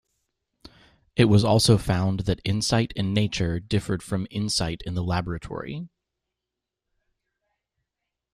It was also found that insight in nature differed from insight in the laboratory.